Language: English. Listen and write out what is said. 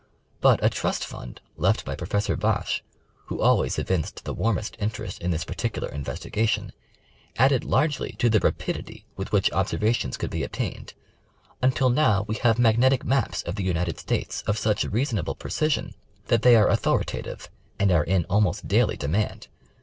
But a trust fund left by Professor Bache, who always evinced the warmest interest in this particular investiga tion, added largely to the rapidity with which observations could be obtained, until now we have magnetic maps of the United States of such reasonable precision that they are authoritative, and are in almost daily demand.